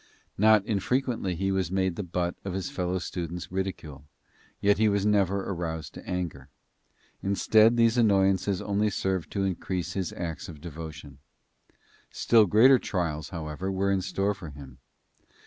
Not infrequently he was made the butt of his fellow students' ridicule, yet he was never aroused to anger. Instead, these annoyances only served to increase his acts of devotion. Still greater trials, however, were in store for him.